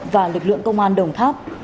và lực lượng công an đồng tháp